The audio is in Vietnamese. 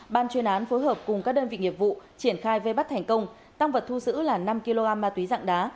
ban chuyên án phối hợp cùng các đơn vị nghiệp vụ triển khai vây bắt thành công tăng vật thu giữ là năm kg ma túy dạng đá